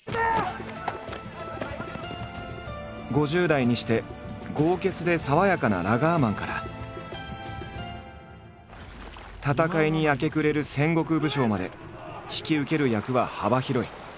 ５０代にして豪傑で爽やかなラガーマンから戦いに明け暮れる戦国武将まで引き受ける役は幅広い。